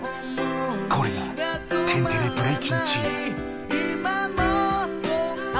これが天てれブレイキンチーム！